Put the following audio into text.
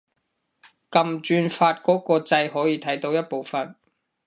撳轉發嗰個掣可以睇到一部分